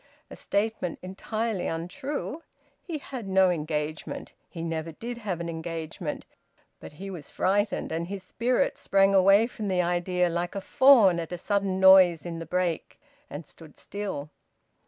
A statement entirely untrue! He had no engagement; he never did have an engagement. But he was frightened, and his spirit sprang away from the idea, like a fawn at a sudden noise in the brake, and stood still.